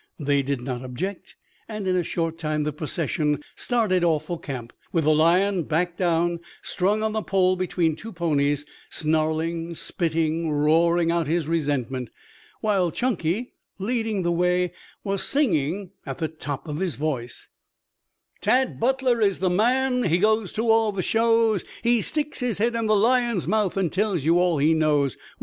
They did not object, and in a short time the procession started off for camp, with the lion, back down, strung on the pole between two ponies, snarling, spitting, roaring out his resentment, while Chunky, leading the way, was singing at the top of his voice: _"Tad Butler is the man; he goes to all the shows, he sticks his head in the lion's mouth and tells you all he knows.